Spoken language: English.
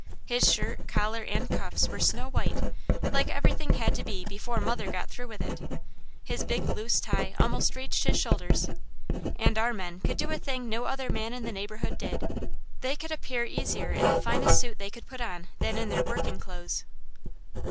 His shirt, collar, and cuffs were snow white, like everything had to be before mother got through with it; his big loose tie almost reached his shoulders; and our men could do a thing no other man in the neighbourhood did: they could appear easier in the finest suit they could put on than in their working clothes.